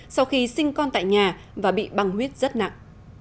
sau khi sinh con tại nhà và bị băng huyết rất nặng